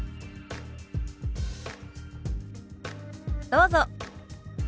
どうぞ。